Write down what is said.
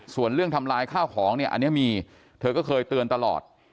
ส่วนเรื่องทำลายข้าวของเนี่ยอันนี้มีเธอก็เคยเตือนตลอด